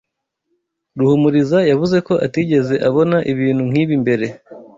Ruhumuriza yavuze ko atigeze abona ibintu nk'ibi mbere.